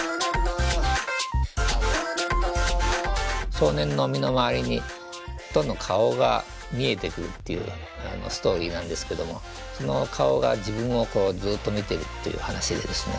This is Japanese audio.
少年の身の回りにどんどん顔が見えてくるっていうストーリーなんですけどもその顔が自分をこうずっと見てるっていう話でですね。